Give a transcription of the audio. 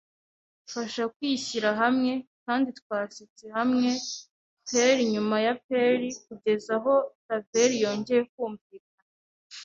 fasha kwishyira hamwe, kandi twasetse hamwe, peal nyuma ya peal, kugeza aho taveri yongeye kumvikana.